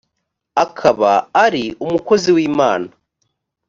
akaba ari umukozi w imana